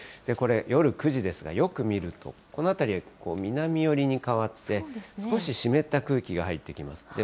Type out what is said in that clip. これ、夜９時ですが、よく見ると、この辺りは南寄りに変わって、少し湿った空気が入ってきます。